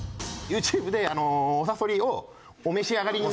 ＹｏｕＴｕｂｅであのおさそりをお召し上がりに。